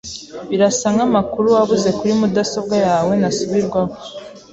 Birasa nkamakuru wabuze kuri mudasobwa yawe ntasubirwaho.